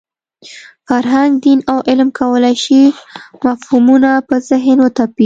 فرهنګ، دین او علم کولای شي مفهومونه په ذهن وتپي.